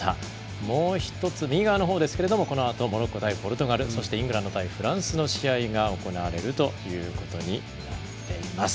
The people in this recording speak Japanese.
もう一つ右側の方ですけれどもこのあとモロッコ対ポルトガルそしてイングランド対フランスの試合が行われるということになっています。